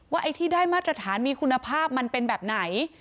ไอ้ที่ได้มาตรฐานมีคุณภาพมันเป็นแบบไหน